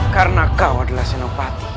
karena kau adalah senopati